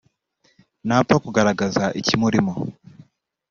ntapfa kugaragaza ikimurimo